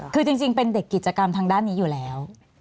คือจริงเป็นเด็กกิจกรรมทางด้านนี้อยู่แล้ว